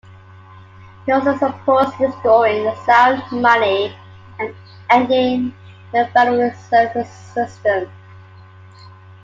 He also supports restoring sound money and ending the Federal Reserve System.